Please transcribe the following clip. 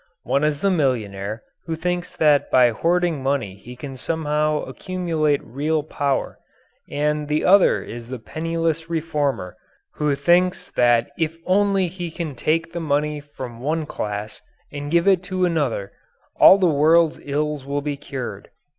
One is the millionaire who thinks that by hoarding money he can somehow accumulate real power, and the other is the penniless reformer who thinks that if only he can take the money from one class and give it to another, all the world's ills will be cured.